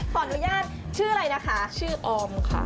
ขออนุญาตชื่ออะไรนะคะชื่อออมค่ะ